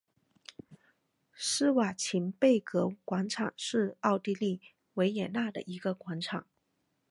施瓦岑贝格广场是奥地利维也纳的一个广场。